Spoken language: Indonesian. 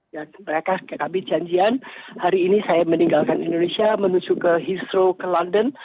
dan mereka kami janjian hari ini saya meninggalkan indonesia menuju ke heathrow ke london